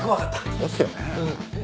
そうっすよねえ。